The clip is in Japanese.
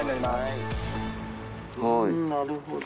なるほど。